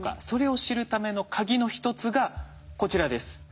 それを知るためのカギの一つがこちらです。